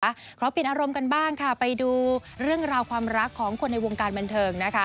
ขอปิดอารมณ์กันบ้างค่ะไปดูเรื่องราวความรักของคนในวงการบันเทิงนะคะ